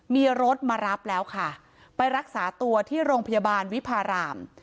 มีรถมารับแล้วค่ะไปรักษาตัวที่โรงพยาบาลวิพาราม